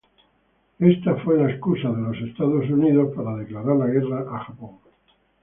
Esto llevó a los Estados Unidos a declarar la guerra contra Japón.